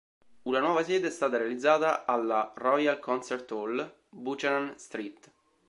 Una nuova sede è stata realizzata alla Royal Concert Hall, Buchanan Street.